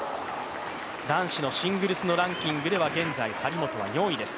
男子のシングルスのランキングでは現在張本４位です。